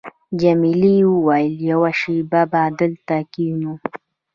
جميلې وويل:، یوه شېبه به دلته کښېنو.